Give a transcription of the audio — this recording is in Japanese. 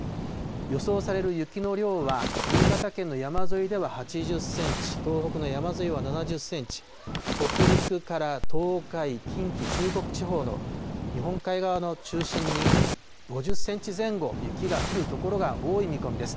予想される雪の量は、新潟県の山沿いでは８０センチ、東北の山沿いは７０センチ、北陸から東海、近畿、中国地方の日本海側の中心に５０センチ前後、雪が降る所が多い見込みです。